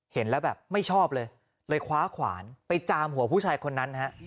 เห็นแล้วแบบไม่ชอบเลยเลยคว้าขวานไปจามหัวผู้ชายคนนั้นฮะ